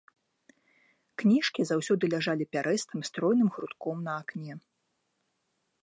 Кніжкі заўсёды ляжалі пярэстым, стройным грудком на акне.